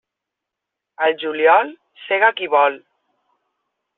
Al juliol sega qui vol.